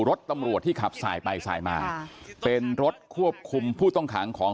รถตำรวจที่ขับสายไปสายมาเป็นรถควบคุมผู้ต้องขังของ